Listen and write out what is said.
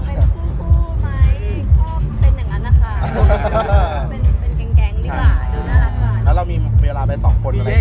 แต่ว่าเป็นทิพย์แรกที่ได้ไปทิ้งด้วยกัน